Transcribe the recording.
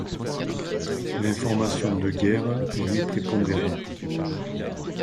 L'information de guerre y est prépondérante.